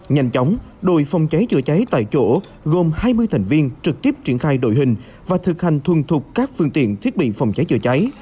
nhanh chóng đội phòng cháy triện cháy tại chỗ gồm hai mươi thành viên trực tiếp triển khai đội hình và thực hành thuận thục các phương tiện thiết bị phòng cháy triện cháy